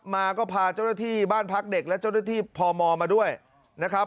มาก็พาเจ้าหน้าที่บ้านพักเด็กและเจ้าหน้าที่พมมาด้วยนะครับ